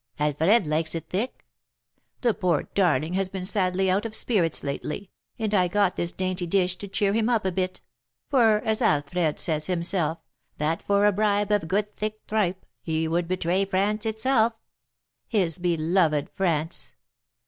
Alfred likes it thick. The poor darling has been sadly out of spirits lately, and I got this dainty dish to cheer him up a bit; for, as Alfred says himself, that for a bribe of good thick tripe he would betray France itself, his beloved France.